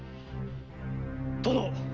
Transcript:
殿！